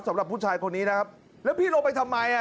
สำหรับผู้ชายคนนี้นะครับแล้วพี่ลงไปทำไมอ่ะ